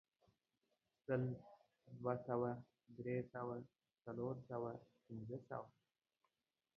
سل، دوه سوه، درې سوه، څلور سوه، پنځه سوه